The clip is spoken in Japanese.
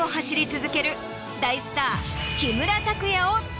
大スター。